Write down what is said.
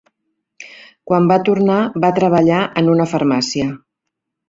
Quan va tornar va treballar en una farmàcia.